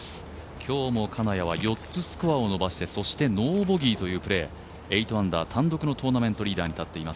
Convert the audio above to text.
今日も金谷は４つスコアを伸ばしてそしてノーボギーというプレー８アンダー単独のトーナメントリーダーに立っています。